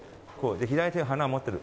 左手は花を持ってる。